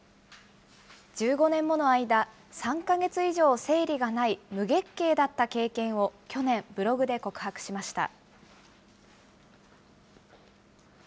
１５年もの間３か月以上生理がない無月経だった経験を去年、ブログで告白しました。